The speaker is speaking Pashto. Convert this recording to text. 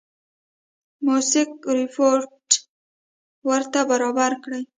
موثق رپوټ ورته برابر کړي.